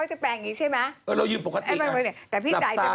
กลับต่างแล้วบางที